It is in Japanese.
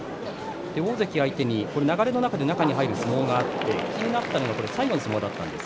大関相手に流れの中で中に入る相撲があって気になったのは最後の相撲です。